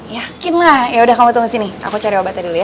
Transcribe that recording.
yakinlah yaudah kamu tunggu sini aku cari obatnya dulu ya